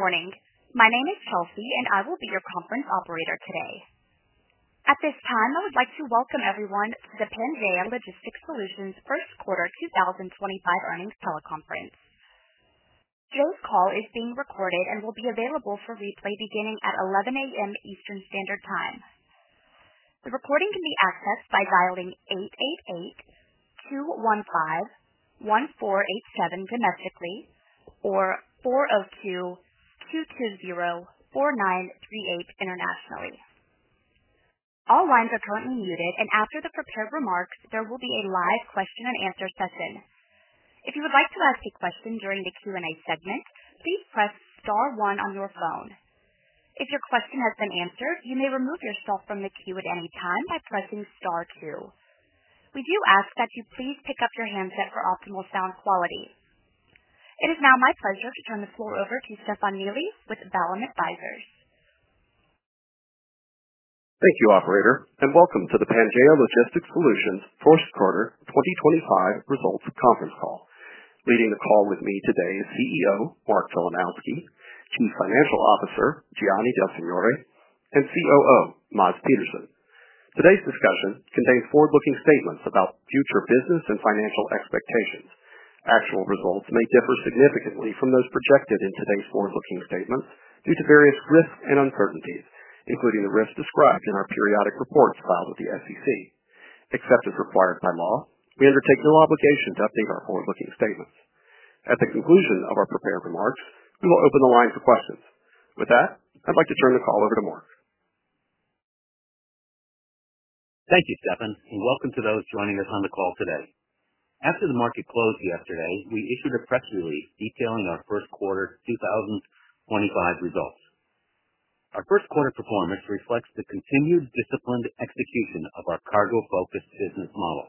Morning. My name is Chelsea, and I will be your conference operator today. At this time, I would like to welcome everyone to the Pangaea Logistics Solutions First Quarter 2025 earnings teleconference. Today's call is being recorded and will be available for replay beginning at 11:00 A.M. Eastern Standard Time. The recording can be accessed by dialing 888-215-1487 domestically or 402-220-4938 internationally. All lines are currently muted, and after the prepared remarks, there will be a live question-and-answer session. If you would like to ask a question during the Q&A segment, please press star one on your phone. If your question has been answered, you may remove yourself from the queue at any time by pressing star two. We do ask that you please pick up your handset for optimal sound quality. It is now my pleasure to turn the floor over to Stefan Neely with Vallum Advisors. Thank you, Operator, and welcome to the Pangaea Logistics Solutions First Quarter 2025 results conference call. Leading the call with me today is CEO Mark Filanowski, Chief Financial Officer Gianni Del Signore, and COO Mads Petersen. Today's discussion contains forward-looking statements about future business and financial expectations. Actual results may differ significantly from those projected in today's forward-looking statements due to various risks and uncertainties, including the risks described in our periodic reports filed with the SEC. Except as required by law, we undertake no obligation to update our forward-looking statements. At the conclusion of our prepared remarks, we will open the line for questions. With that, I'd like to turn the call over to Mark. Thank you, Stefan, and welcome to those joining us on the call today. After the market closed yesterday, we issued a press release detailing our first quarter 2025 results. Our first quarter performance reflects the continued disciplined execution of our cargo-focused business model.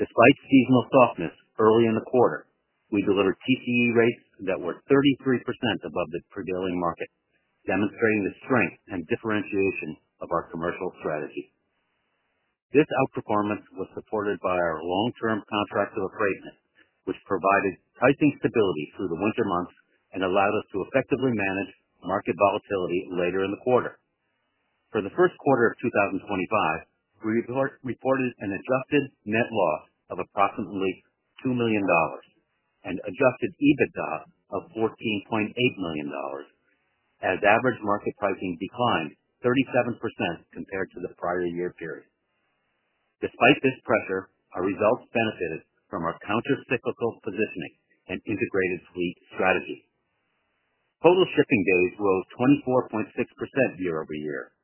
Despite seasonal softness early in the quarter, we delivered PCE rates that were 33% above the prevailing market, demonstrating the strength and differentiation of our commercial strategy. This outperformance was supported by our long-term contractual appointment, which provided pricing stability through the winter months and allowed us to effectively manage market volatility later in the quarter. For the first quarter of 2025, we reported an adjusted net loss of approximately $2 million and adjusted EBITDA of $14.8 million, as average market pricing declined 37% compared to the prior year period. Despite this pressure, our results benefited from our countercyclical positioning and integrated fleet strategy. Total shipping days rose 24.6% year-over-year,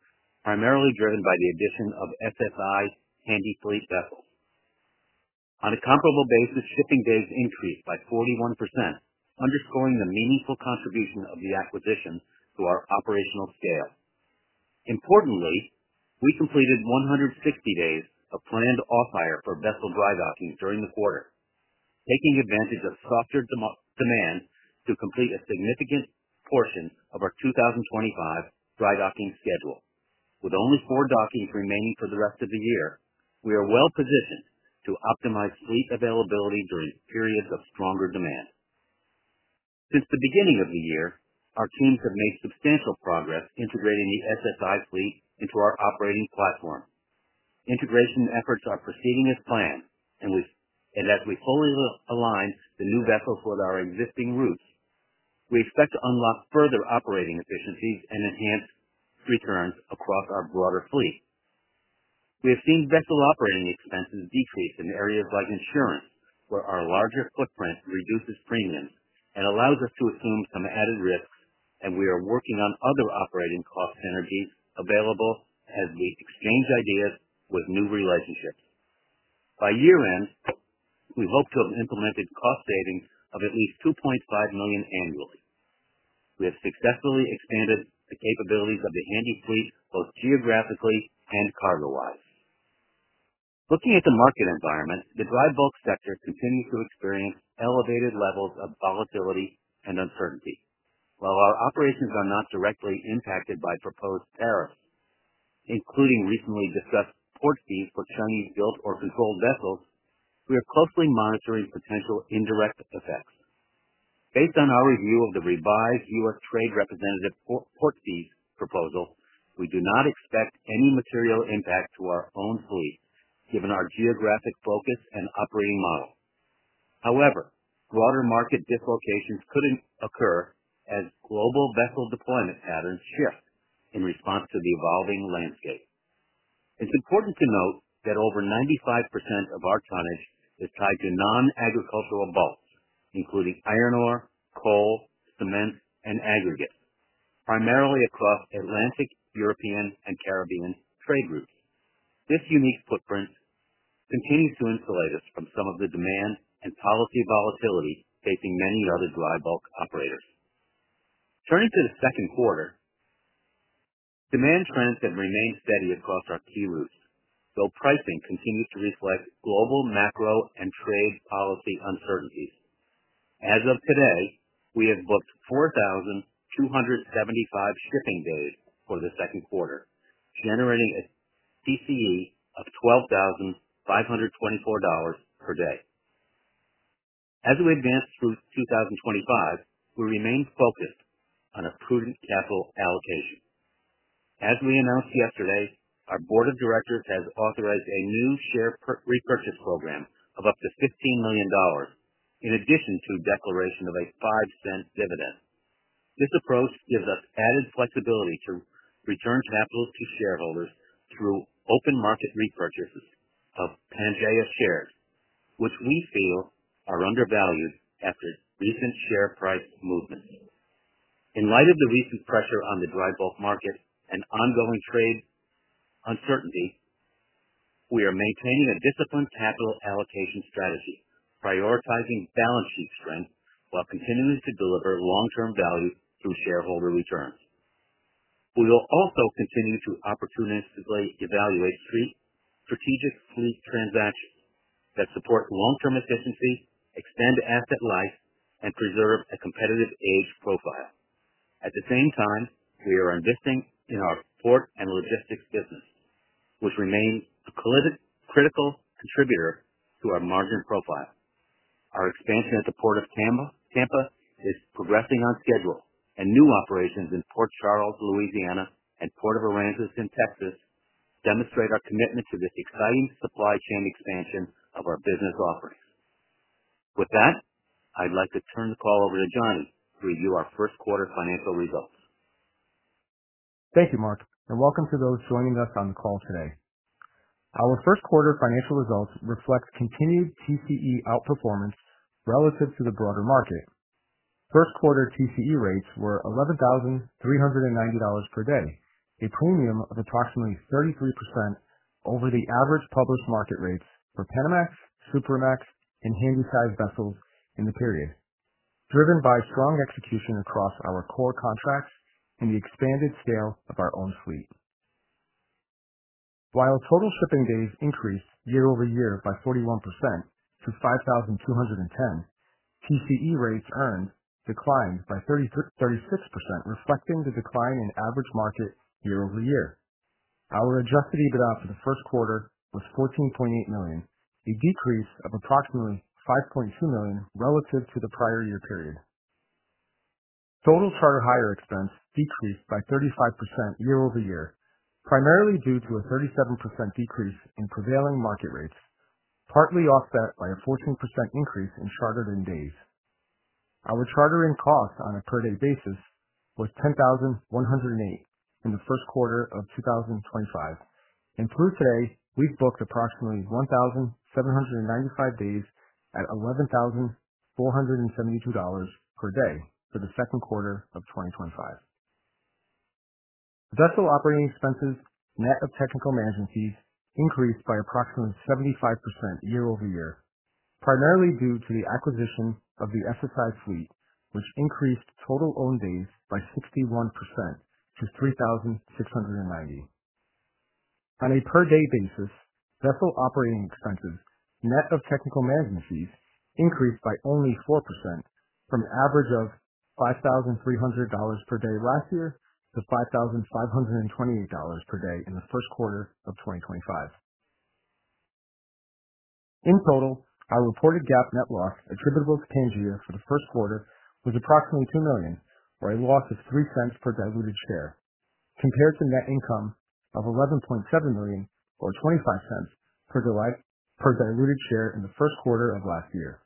primarily driven by the addition of SSI handy fleet vessels. On a comparable basis, shipping days increased by 41%, underscoring the meaningful contribution of the acquisition to our operational scale. Importantly, we completed 160 days of planned off-hire for vessel dry docking during the quarter, taking advantage of softer demand to complete a significant portion of our 2025 dry docking schedule. With only four dockings remaining for the rest of the year, we are well positioned to optimize fleet availability during periods of stronger demand. Since the beginning of the year, our teams have made substantial progress integrating the SSI fleet into our operating platform. Integration efforts are proceeding as planned, and as we fully align the new vessels with our existing routes, we expect to unlock further operating efficiencies and enhance returns across our broader fleet. We have seen vessel operating expenses decrease in areas like insurance, where our larger footprint reduces premiums and allows us to assume some added risks, and we are working on other operating cost synergies available as we exchange ideas with new relationships. By year-end, we hope to have implemented cost savings of at least $2.5 million annually. We have successfully expanded the capabilities of the handy fleet both geographically and cargo-wise. Looking at the market environment, the dry bulk sector continues to experience elevated levels of volatility and uncertainty. While our operations are not directly impacted by proposed tariffs, including recently discussed port fees for Chinese-built or controlled vessels, we are closely monitoring potential indirect effects. Based on our review of the revised U.S. trade representative port fees proposal, we do not expect any material impact to our own fleet, given our geographic focus and operating model. However, broader market dislocations could occur as global vessel deployment patterns shift in response to the evolving landscape. It's important to note that over 95% of our tonnage is tied to non-agricultural bulks, including iron ore, coal, cement, and aggregate, primarily across Atlantic, European, and Caribbean trade routes. This unique footprint continues to insulate us from some of the demand and policy volatility facing many other dry bulk operators. Turning to the second quarter, demand trends have remained steady across our key routes, though pricing continues to reflect global macro and trade policy uncertainties. As of today, we have booked 4,275 shipping days for the second quarter, generating a PCE of $12,524 per day. As we advance through 2025, we remain focused on a prudent capital allocation. As we announced yesterday, our Board of Directors has authorized a new share repurchase program of up to $15 million, in addition to the declaration of a $0.05 dividend. This approach gives us added flexibility to return capital to shareholders through open market repurchases of Pangaea shares, which we feel are undervalued after recent share price movements. In light of the recent pressure on the dry bulk market and ongoing trade uncertainty, we are maintaining a disciplined capital allocation strategy, prioritizing balance sheet strength while continuing to deliver long-term value through shareholder returns. We will also continue to opportunistically evaluate strategic fleet transactions that support long-term efficiency, extend asset life, and preserve a competitive age profile. At the same time, we are investing in our port and logistics business, which remains a critical contributor to our margin profile. Our expansion at the Port of Tampa is progressing on schedule, and new operations in Lake Charles, Louisiana, and Port Aransas, Texas, demonstrate our commitment to this exciting supply chain expansion of our business offerings. With that, I'd like to turn the call over to Gianni to review our first quarter financial results. Thank you, Mark, and welcome to those joining us on the call today. Our first quarter financial results reflect continued PCE outperformance relative to the broader market. First quarter PCE rates were $11,390 per day, a premium of approximately 33% over the average published market rates for Panamax, Supramax, and handy-sized vessels in the period, driven by strong execution across our core contracts and the expanded scale of our own fleet. While total shipping days increased year-over-year by 41% to 5,210, PCE rates earned declined by 36%, reflecting the decline in average market year-over-year. Our adjusted EBITDA for the first quarter was $14.8 million, a decrease of approximately $5.2 million relative to the prior year period. Total charter hire expense decreased by 35% year-over-year, primarily due to a 37% decrease in prevailing market rates, partly offset by a 14% increase in chartered-in days. Our charter-in cost on a per-day basis was $10,108 in the first quarter of 2025, and through today, we've booked approximately 1,795 days at $11,472 per day for the second quarter of 2025. Vessel operating expenses net of technical management fees increased by approximately 75% year-over-year, primarily due to the acquisition of the SSI fleet, which increased total owned days by 61% to 3,690. On a per-day basis, vessel operating expenses net of technical management fees increased by only 4%, from an average of $5,300 per day last year to $5,528 per day in the first quarter of 2025. In total, our reported GAAP net loss attributable to Pangaea for the first quarter was approximately $2 million, or a loss of $0.03 per diluted share, compared to net income of $11.7 million, or $0.25 per diluted share in the first quarter of last year.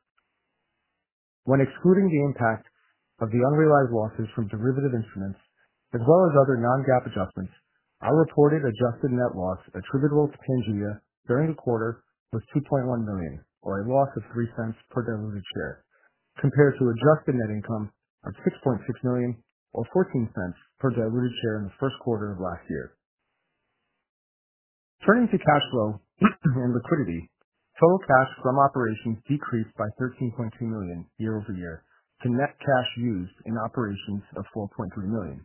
When excluding the impact of the unrealized losses from derivative instruments, as well as other non-GAAP adjustments, our reported adjusted net loss attributable to Pangaea during the quarter was $2.1 million, or a loss of $0.03 per diluted share, compared to adjusted net income of $6.6 million, or $0.14 per diluted share in the first quarter of last year. Turning to cash flow and liquidity, total cash from operations decreased by $13.2 million year-over-year to net cash used in operations of $4.3 million,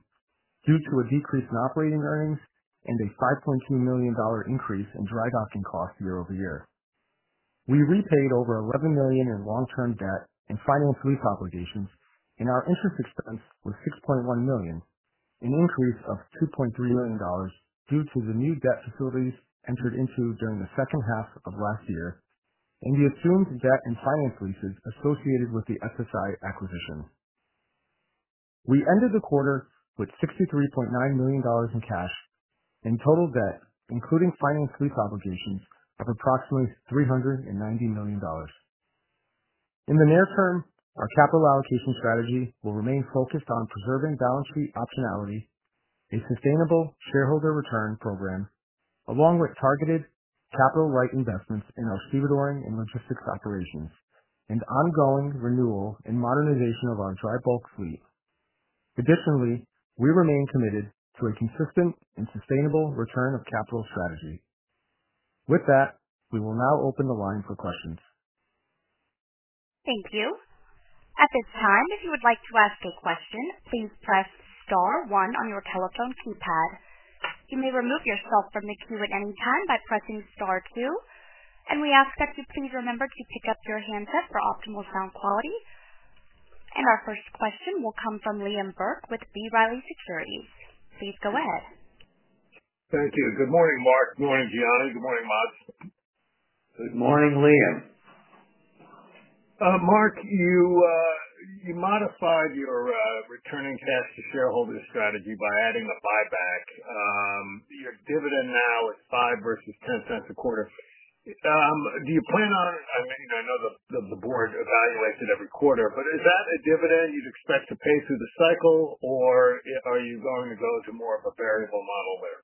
due to a decrease in operating earnings and a $5.2 million increase in dry docking costs year-over-year. We repaid over $11 million in long-term debt and finance lease obligations, and our interest expense was $6.1 million, an increase of $2.3 million due to the new debt facilities entered into during the second half of last year, and the assumed debt and finance leases associated with the SSI acquisition. We ended the quarter with $63.9 million in cash and total debt, including finance lease obligations, of approximately $390 million. In the near term, our capital allocation strategy will remain focused on preserving balance sheet optionality, a sustainable shareholder return program, along with targeted capital-right investments in our seabed oring and logistics operations, and ongoing renewal and modernization of our dry bulk fleet. Additionally, we remain committed to a consistent and sustainable return of capital strategy. With that, we will now open the line for questions. Thank you. At this time, if you would like to ask a question, please press star one on your telephone keypad. You may remove yourself from the queue at any time by pressing star two, and we ask that you please remember to pick up your handset for optimal sound quality. Our first question will come from Liam Burke with B. Riley Securities. Please go ahead. Thank you. Good morning, Mark. Good morning, Gianni. Good morning, Mads. Good morning, Liam. Mark, you modified your returning cash to shareholders strategy by adding a buyback. Your dividend now is $0.05 versus $0.10 a quarter. Do you plan on—I know the board evaluates it every quarter—but is that a dividend you'd expect to pay through the cycle, or are you going to go to more of a variable model there?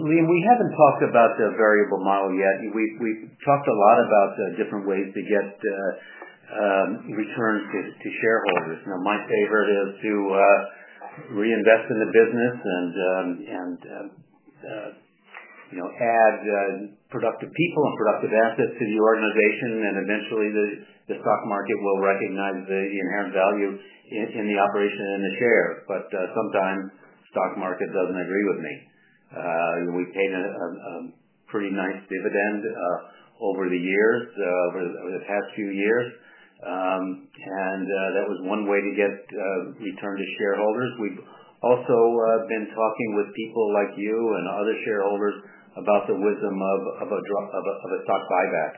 Liam, we have not talked about the variable model yet. We have talked a lot about different ways to get returns to shareholders. My favorite is to reinvest in the business and add productive people and productive assets to the organization, and eventually, the stock market will recognize the inherent value in the operation and the shares. Sometimes, the stock market does not agree with me. We have paid a pretty nice dividend over the years, over the past few years, and that was one way to get return to shareholders. We have also been talking with people like you and other shareholders about the wisdom of a stock buyback.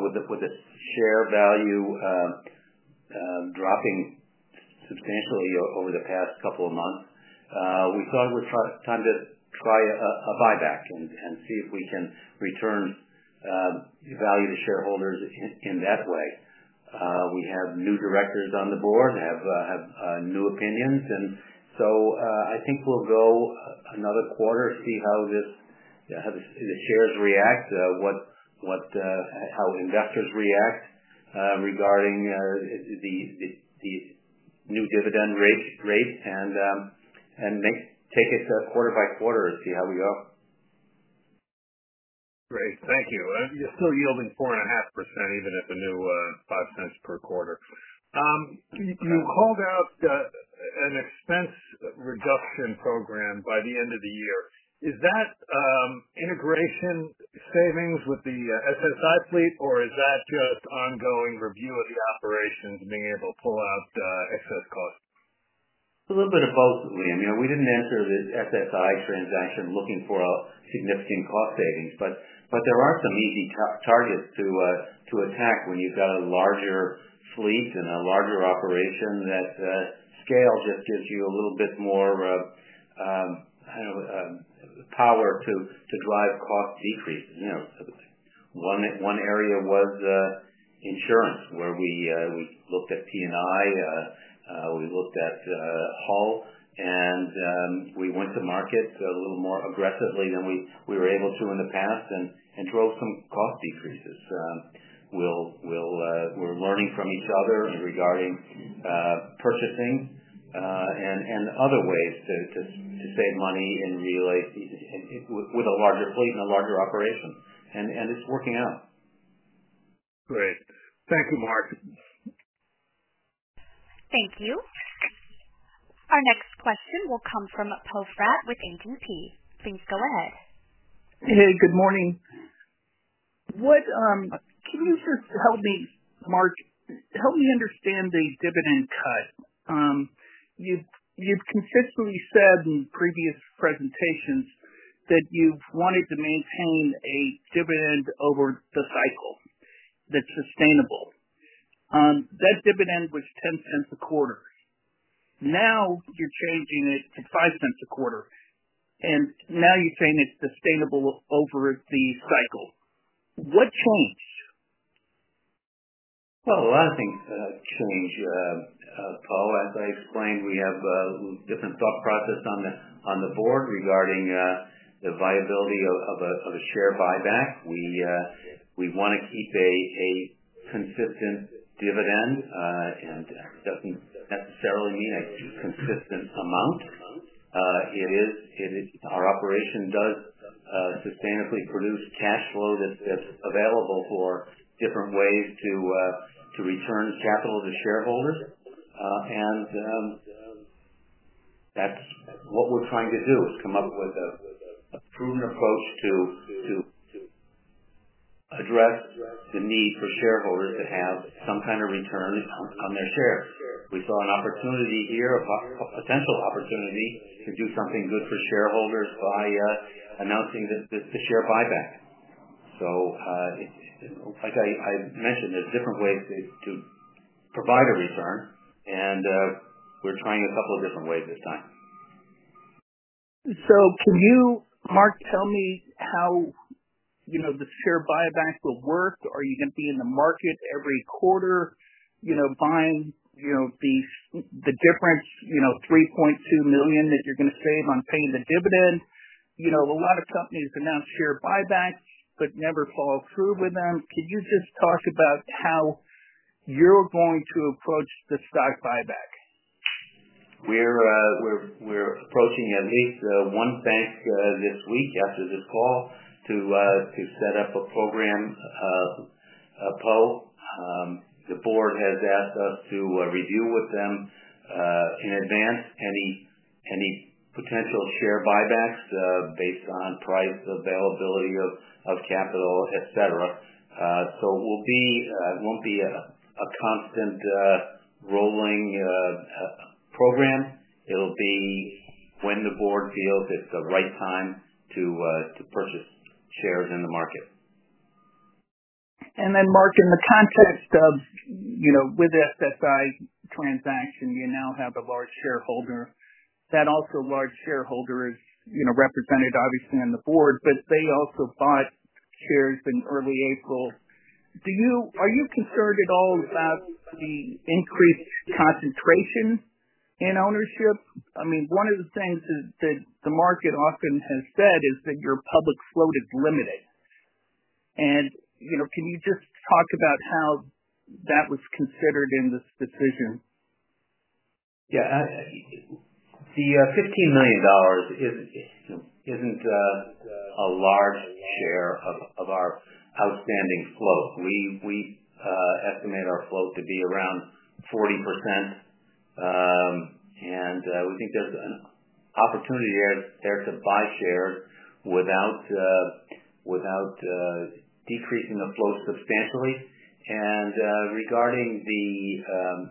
With the share value dropping substantially over the past couple of months, we thought it was time to try a buyback and see if we can return value to shareholders in that way. We have new directors on the board, have new opinions, and so I think we'll go another quarter, see how the shares react, how investors react regarding the new dividend rate, and take it quarter by quarter and see how we go. Great. Thank you. You're still yielding 4.5% even at the new $0.05 per quarter. You called out an expense reduction program by the end of the year. Is that integration savings with the SSI fleet, or is that just ongoing review of the operations and being able to pull out excess costs? A little bit of both, Liam. We did not enter the SSI transaction looking for significant cost savings, but there are some easy targets to attack when you have got a larger fleet and a larger operation that scale just gives you a little bit more power to drive cost decreases. One area was insurance, where we looked at P&I, we looked at Hull, and we went to market a little more aggressively than we were able to in the past and drove some cost decreases. We are learning from each other regarding purchasing and other ways to save money with a larger fleet and a larger operation, and it is working out. Great. Thank you, Mark. Thank you. Our next question will come from Poe Fratt with A.G.P. Please go ahead. Hey, good morning. Can you just help me, Mark, help me understand the dividend cut? You've consistently said in previous presentations that you've wanted to maintain a dividend over the cycle that's sustainable. That dividend was $0.10 a quarter. Now you're changing it to $0.05 a quarter, and now you're saying it's sustainable over the cycle. What changed? A lot of things change, Poe. As I explained, we have a different thought process on the board regarding the viability of a share buyback. We want to keep a consistent dividend, and that does not necessarily mean a consistent amount. Our operation does sustainably produce cash flow that is available for different ways to return capital to shareholders, and that is what we are trying to do, is come up with a prudent approach to address the need for shareholders to have some kind of return on their shares. We saw an opportunity here, a potential opportunity to do something good for shareholders by announcing the share buyback. Like I mentioned, there are different ways to provide a return, and we are trying a couple of different ways this time. Can you, Mark, tell me how the share buyback will work? Are you going to be in the market every quarter buying the different $3.2 million that you're going to save on paying the dividend? A lot of companies announce share buybacks but never follow through with them. Can you just talk about how you're going to approach the stock buyback? We're approaching at least one bank this week after this call to set up a program, PALL. The board has asked us to review with them in advance any potential share buybacks based on price, availability of capital, etc. It will not be a constant rolling program. It will be when the board feels it's the right time to purchase shares in the market. Mark, in the context of with the SSI transaction, you now have a large shareholder. That also large shareholder is represented, obviously, on the board, but they also bought shares in early April. Are you concerned at all about the increased concentration in ownership? I mean, one of the things that the market often has said is that your public float is limited. Can you just talk about how that was considered in this decision? Yeah. The $15 million isn't a large share of our outstanding float. We estimate our float to be around 40%, and we think there's an opportunity there to buy shares without decreasing the float substantially. Regarding the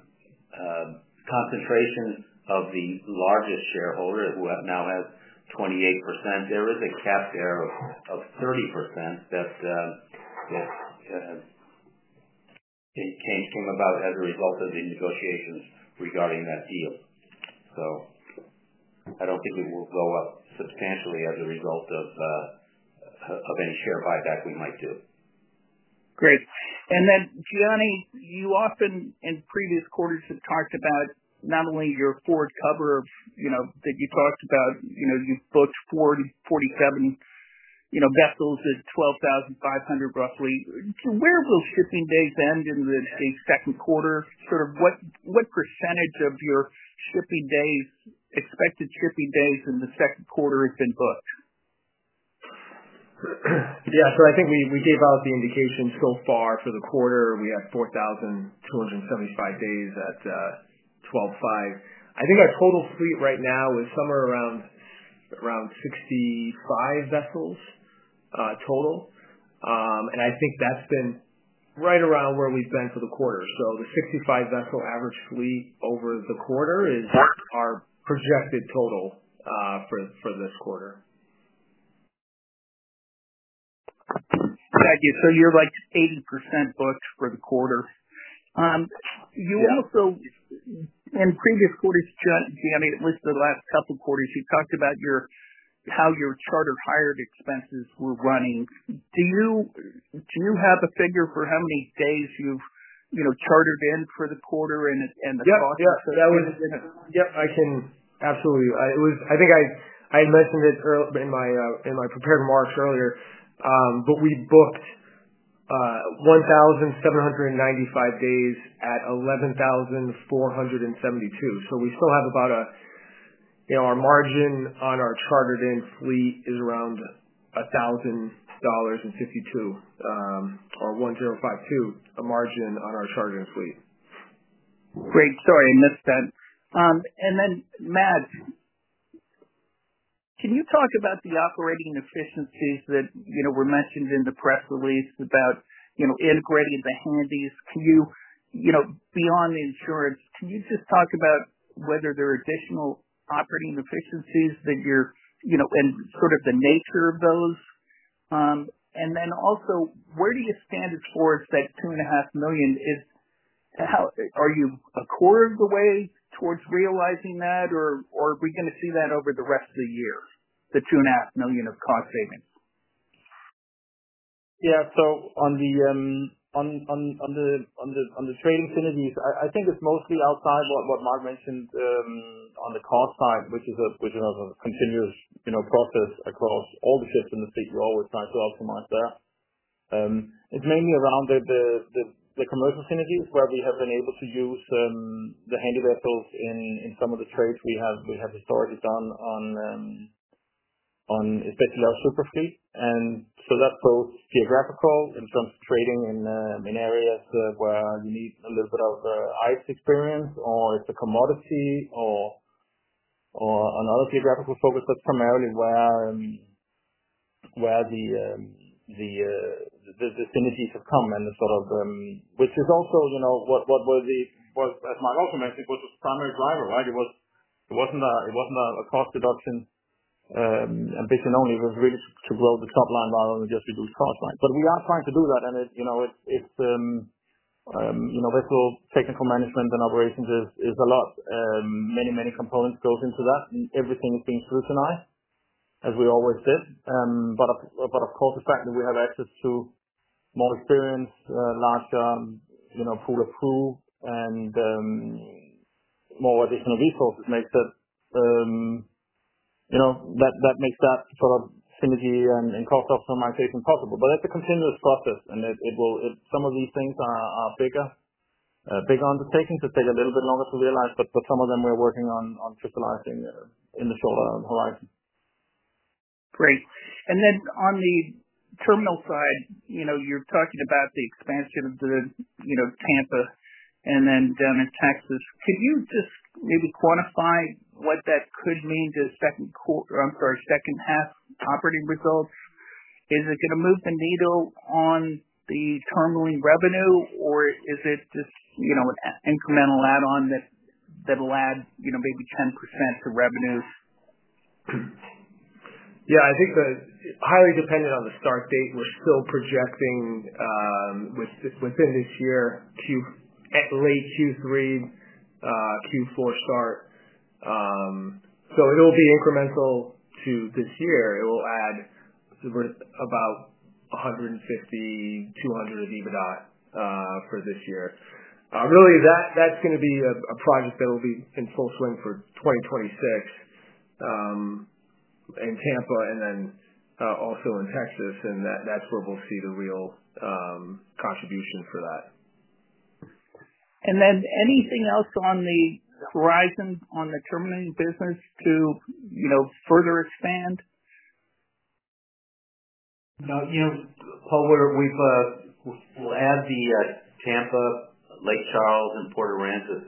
concentration of the largest shareholder, who now has 28%, there is a cap there of 30% that came about as a result of the negotiations regarding that deal. I don't think it will go up substantially as a result of any share buyback we might do. Great. Gianni, you often in previous quarters have talked about not only your forward cover that you talked about, you have booked 47 vessels at $12,500 roughly. To where will shipping days end in the second quarter? Sort of what percentage of your expected shipping days in the second quarter have been booked? Yeah. I think we gave out the indication so far for the quarter, we had 4,275 days at $12,500. I think our total fleet right now is somewhere around 65 vessels total, and I think that's been right around where we've been for the quarter. The 65-vessel average fleet over the quarter is our projected total for this quarter. Thank you. So you're like 80% booked for the quarter. You also, in previous quarters, Gianni, at least the last couple of quarters, you talked about how your charter hire expenses were running. Do you have a figure for how many days you've chartered in for the quarter and the cost of the fleet? Yeah. Yep. I can absolutely. I think I had mentioned it in my prepared marks earlier, but we booked 1,795 days at $11,472. So we still have about a, our margin on our chartered-in fleet is around $1,052, a margin on our chartered-in fleet. Great. Sorry, I missed that. Mads, can you talk about the operating efficiencies that were mentioned in the press release about integrating the handies? Beyond the insurance, can you just talk about whether there are additional operating efficiencies that you're and sort of the nature of those? Also, where do you stand as far as that $2.5 million? Are you a quarter of the way towards realizing that, or are we going to see that over the rest of the year, the $2.5 million of cost savings? Yeah. On the trading synergies, I think it's mostly outside what Mark mentioned on the cost side, which is a continuous process across all the ships in the fleet. We're always trying to optimize that. It's mainly around the commercial synergies, where we have been able to use the handy vessels in some of the trades we have historically done, especially our superfleet. That's both geographical in terms of trading in areas where you need a little bit of ICE experience, or it's a commodity, or another geographical focus. That's primarily where the synergies have come and the sort of which is also what Mark also mentioned, which was the primary driver, right? It wasn't a cost deduction ambition only. It was really to grow the top line rather than just reduce costs. We are trying to do that, and vessel technical management and operations is a lot. Many, many components go into that, and everything is being scrutinized, as we always did. Of course, the fact that we have access to more experience, a larger pool of crew, and more additional resources makes that sort of synergy and cost optimization possible. That is a continuous process, and some of these things are bigger undertakings. It takes a little bit longer to realize, but some of them we are working on crystallizing in the shorter horizon. Great. Then on the terminal side, you're talking about the expansion of the Tampa and then down in Texas. Could you just maybe quantify what that could mean to second quarter—I'm sorry, second half operating results? Is it going to move the needle on the terminal revenue, or is it just an incremental add-on that will add maybe 10% to revenue? Yeah. I think that highly dependent on the start date, we're still projecting within this year, late Q3, Q4 start. It will be incremental to this year. It will add about $150,000-$200,000 of EBITDA for this year. Really, that's going to be a project that will be in full swing for 2026 in Tampa and then also in Texas, and that's where we'll see the real contribution for that. Anything else on the horizon on the terminal business to further expand? No. Poe, we'll add the Tampa, Lake Charles, and Port Aransas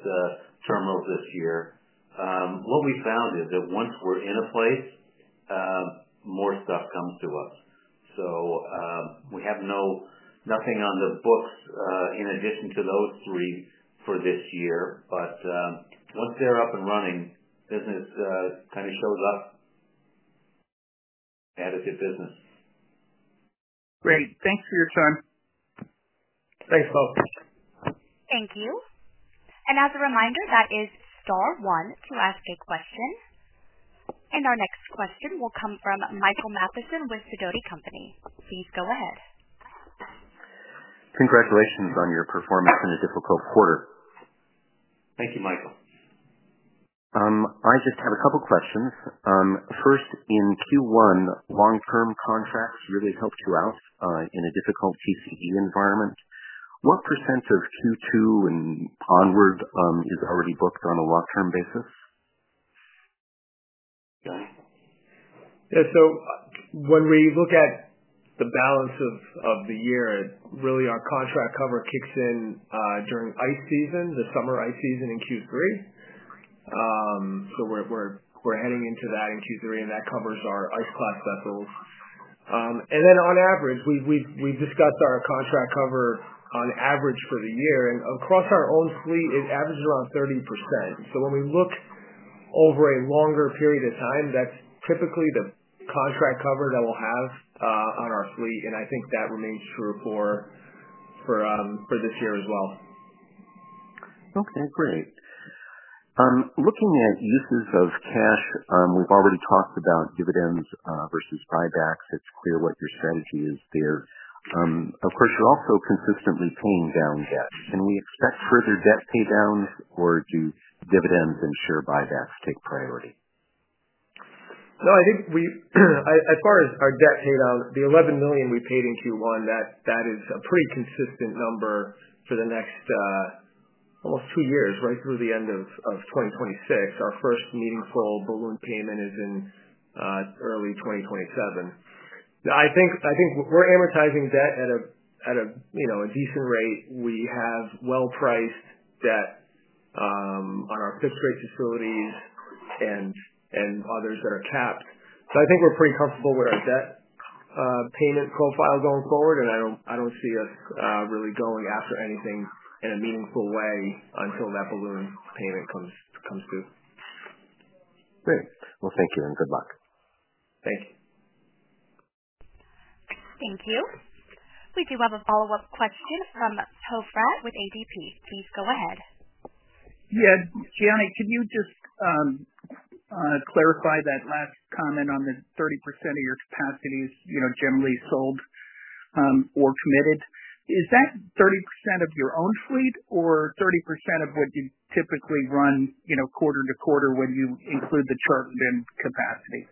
terminals this year. What we found is that once we're in a place, more stuff comes to us. We have nothing on the books in addition to those three for this year, but once they're up and running, business kind of shows up. Additive business. Great. Thanks for your time. Thanks, Poe. Thank you. As a reminder, that is star one to ask a question. Our next question will come from Michael Matheson with Sidoti & Company. Please go ahead. Congratulations on your performance in a difficult quarter. Thank you, Michael. I just have a couple of questions. First, in Q1, long-term contracts really helped you out in a difficult TCE environment. What % of Q2 and onward is already booked on a long-term basis? Yeah. When we look at the balance of the year, really our contract cover kicks in during ice season, the summer ice season in Q3. We are heading into that in Q3, and that covers our ice-class vessels. On average, we have discussed our contract cover on average for the year, and across our own fleet, it averages around 30%. When we look over a longer period of time, that is typically the contract cover that we will have on our fleet, and I think that remains true for this year as well. Okay. Great. Looking at uses of cash, we've already talked about dividends versus buybacks. It's clear what your strategy is there. Of course, you're also consistently paying down debt. Can we expect further debt paydowns, or do dividends and share buybacks take priority? No. I think as far as our debt paydown, the $11 million we paid in Q1, that is a pretty consistent number for the next almost two years, right through the end of 2026. Our first meaningful balloon payment is in early 2027. I think we're amortizing debt at a decent rate. We have well-priced debt on our fixed-rate facilities and others that are capped. I think we're pretty comfortable with our debt payment profile going forward, and I don't see us really going after anything in a meaningful way until that balloon payment comes due. Great. Thank you, and good luck. Thank you. Thank you. We do have a follow-up question from Poe Fratt with A.G.P. Please go ahead. Yeah. Gianni, could you just clarify that last comment on the 30% of your capacity is generally sold or committed? Is that 30% of your own fleet or 30% of what you typically run quarter to quarter when you include the chartered-in capacity?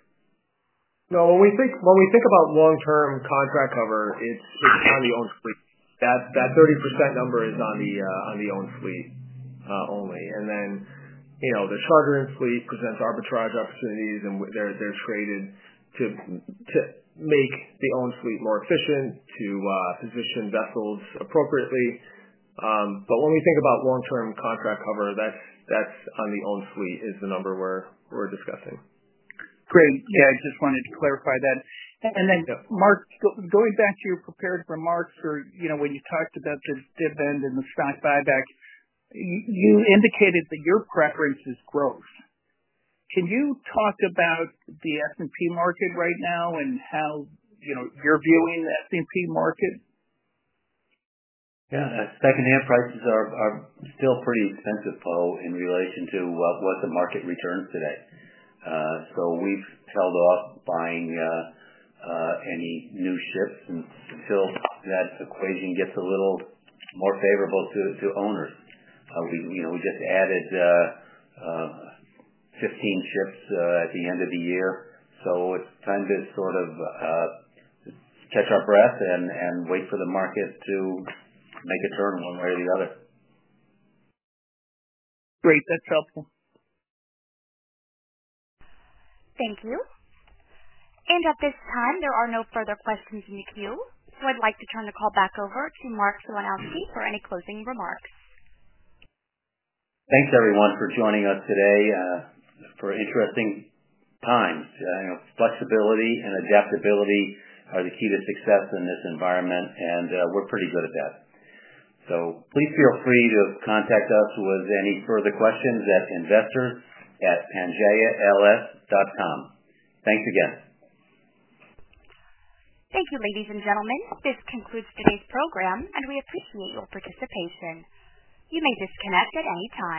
No. When we think about long-term contract cover, it's on the own fleet. That 30% number is on the own fleet only. The chartered-in fleet presents arbitrage opportunities, and they're traded to make the own fleet more efficient, to position vessels appropriately. When we think about long-term contract cover, that's on the own fleet is the number we're discussing. Great. Yeah. I just wanted to clarify that. Then, Mark, going back to your prepared remarks or when you talked about the dividend and the stock buyback, you indicated that your preference is growth. Can you talk about the S&P market right now and how you're viewing the S&P market? Yeah. Second-hand prices are still pretty expensive, Poe, in relation to what the market returns today. So we've held off buying any new ships until that equation gets a little more favorable to owners. We just added 15 ships at the end of the year. So it's time to sort of catch our breath and wait for the market to make a turn one way or the other. Great. That's helpful. Thank you. At this time, there are no further questions in the queue, so I'd like to turn the call back over to Mark Filanowski for any closing remarks. Thanks, everyone, for joining us today for interesting times. Flexibility and adaptability are the key to success in this environment, and we're pretty good at that. Please feel free to contact us with any further questions at pangaeals.com/investors. Thanks again. Thank you, ladies and gentlemen. This concludes today's program, and we appreciate your participation. You may disconnect at any time.